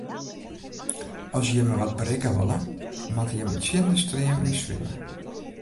As jimme wat berikke wolle, moatte jimme tsjin de stream yn swimme.